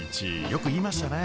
よく言いましたね。